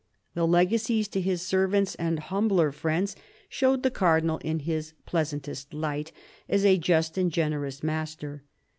The legacies to his servants and humbler friends showed the Cardinal in his pleasantest light, as a just and generous master.